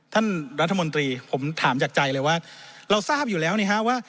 ท่านรัฐมนตรีผมถามจากใจเลยว่าเราทราบอยู่แล้วนี่ฮะว่า